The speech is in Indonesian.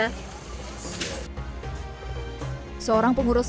hai seorang pengurus